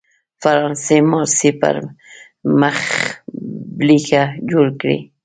فرانسې مارسي پر مخبېلګه جوړ کړی.